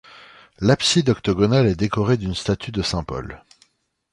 L'abside octogonale est décorée d'une statue de saint Paul.